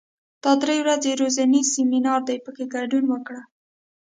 دا درې ورځنی روزنیز سیمینار دی، په کې ګډون وکړه.